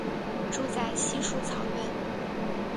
住在稀树草原。